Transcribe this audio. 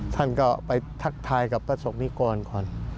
ท่านก็ไปทักทายกับประสบนิกรก่อน